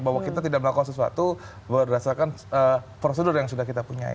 bahwa kita tidak melakukan sesuatu berdasarkan prosedur yang sudah kita punya